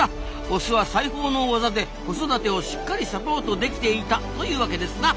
オスは裁縫の技で子育てをしっかりサポートできていたというわけですな。